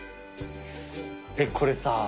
えっこれさ。